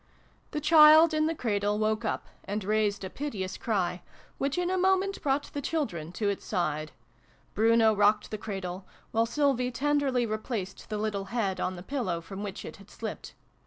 The child in the cradle woke up, and raised a piteous cry, which in a moment brought the children to its side :' Bruno rocked the cradle, while Sylvie tenderly replaced the little head on the pillow from which it had slipped.